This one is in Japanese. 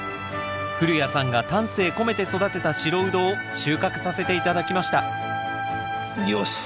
古谷さんが丹精込めて育てた白ウドを収穫させて頂きましたよし！